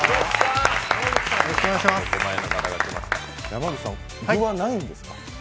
山口さん、具はないんですか？